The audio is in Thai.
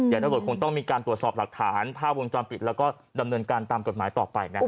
เดี๋ยวตำรวจคงต้องมีการตรวจสอบหลักฐานภาพวงจรปิดแล้วก็ดำเนินการตามกฎหมายต่อไปนะครับ